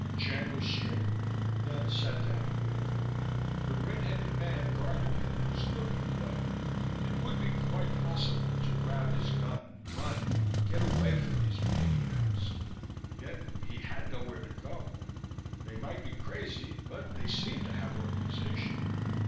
Chandler straightened, then sat down again. The red headed man guarding him was looking away. It would be quite possible to grab his gun, run, get away from these maniacs. Yet he had nowhere to go. They might be crazy, but they seemed to have organization.